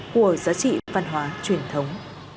của giá trị văn hóa truyền thống